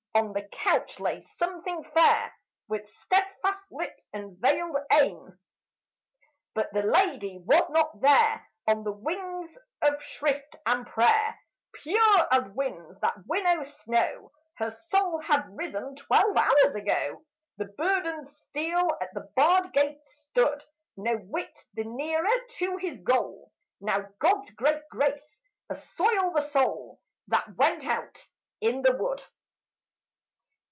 On the couch lay something fair, With steadfast lips and veiled eyne; But the lady was not there, On the wings of shrift and prayer, Pure as winds that winnow snow, Her soul had risen twelve hours ago. The burdened steed at the barred gate stood, No whit the nearer to his goal. Now God's great grace assoil the soul That went out in the wood!